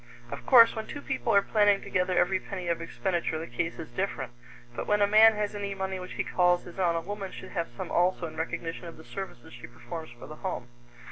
Of course, when two people are planning together every penny of expenditure, the case is different; but when a man has any money which he calls his own, a woman should have some also in recognition of the services she performs for the home.